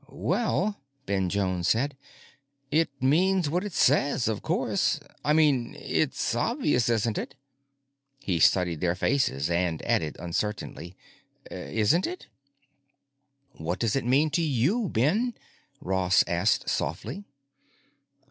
"Well," Ben Jones said, "it means what it says, of course. I mean, it's obvious, isn't it?" He studied their faces and added uncertainly, "Isn't it?" "What does it mean to you, Ben?" Ross asked softly.